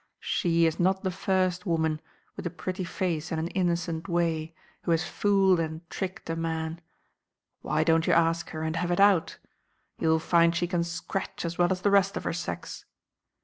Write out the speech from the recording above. She is not the first woman, with a pretty face and an innocent way, who has fooled and tricked a man. Why don't you ask her and have it out? You'll find she can scratch as well as the rest of her sex.